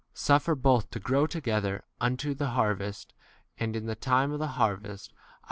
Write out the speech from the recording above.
Suffer both to grow together unto the harvest, and in time of n T. R. reads tnC.